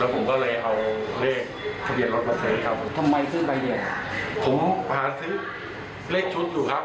ผมก็เลยเอาเลขทะเบียนรถมาใช้ครับผมทำไมซื้อไปเนี่ยผมหาซื้อเลขชุดอยู่ครับ